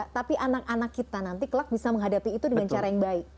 tapi anak anak kita nanti kelak bisa menghadapi itu dengan cara yang baik